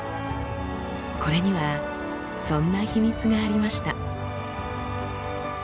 これにはそんなヒミツがありました。